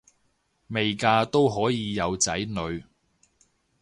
未嫁都可以有仔女